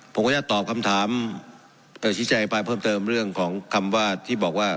ผมก็จะตอบคำถามเอ่อชิดใจให้ปลายเพิ่มเติมเรื่องของคำว่าที่บอกว่า